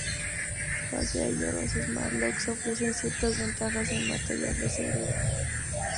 Pese a ello, los Smart Locks ofrecen ciertas ventajas en materia de seguridad.